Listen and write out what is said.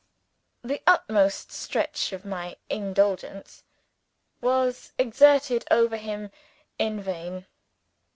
The utmost stretch of my influence was exerted over him in vain.